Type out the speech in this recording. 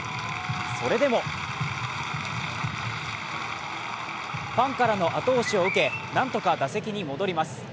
それでもファンからの後押しを受けなんとか打席に戻ります。